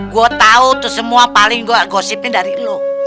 gue tau tuh semua paling gue gosipin dari lo